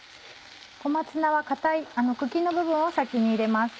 小松菜は硬い茎の部分を先に入れます。